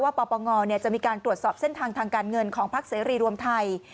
ปปงจะมีการตรวจสอบเส้นทางทางการเงินของพักเสรีรวมไทย